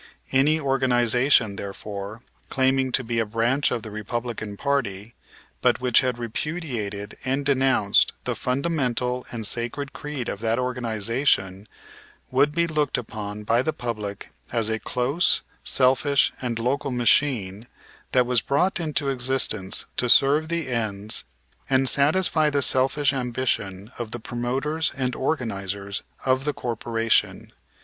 Any organization, therefore, claiming to be a branch of the Republican party, but which had repudiated and denounced the fundamental and sacred creed of that organization, would be looked upon by the public as a close, selfish and local machine that was brought into existence to serve the ends, and satisfy the selfish ambition of the promoters and organizers of the corporation.